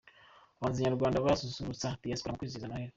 Abahanzi nyarwanda bazasusurutsa diyasipora mu kwizihiza Noheli